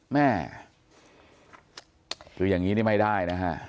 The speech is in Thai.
แม่คืออย่างนี้นี่ไม่ได้นะฮะ